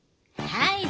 はい。